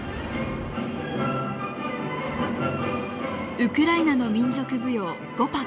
ウクライナの民族舞踊「ゴパック」。